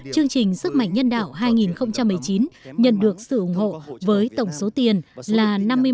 chương trình sức mạnh nhân đạo hai nghìn một mươi chín nhận được sự ủng hộ với tổng số tiền là